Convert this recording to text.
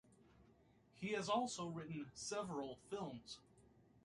He has also written several films.